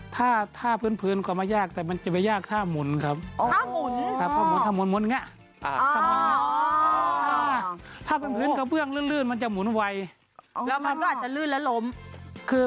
ถ้าอย่างงั้นเราต้องลองให้เข้าเพลงดูอีกที